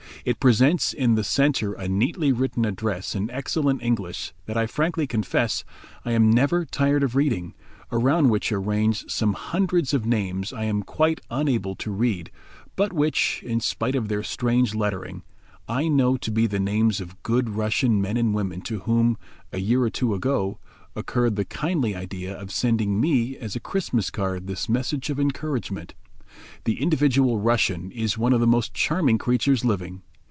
It presents in the centre a neatly written address in excellent English that I frankly confess I am never tired of reading, around which are ranged some hundreds of names I am quite unable to read, but which, in spite of their strange lettering, I know to be the names of good Russian men and women to whom, a year or two ago, occurred the kindly idea of sending me as a Christmas card this message of encouragement. The individual Russian is one of the most charming creatures living.